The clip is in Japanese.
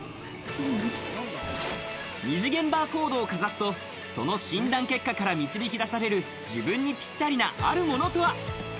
二次元バーコードをかざすと、その診断結果から導き出される自分にぴったりな、あるものとは？